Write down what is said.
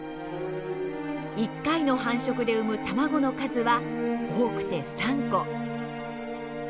一回の繁殖で産む卵の数は多くて３個。